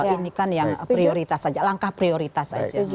ini kan yang prioritas aja langkah prioritas aja